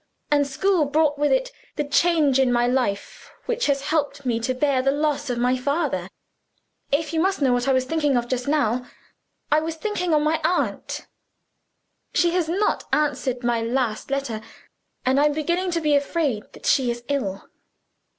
And school brought with it the change in my life which has helped me to bear the loss of my father. If you must know what I was thinking of just now, I was thinking of my aunt. She has not answered my last letter and I'm beginning to be afraid she is ill."